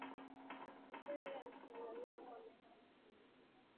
kikwete aliongoza tanzania kwa miaka kumi